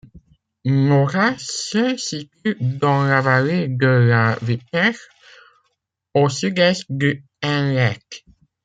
Nohra se situe dans la vallée de la Wipper, au sud-est du Hainleite.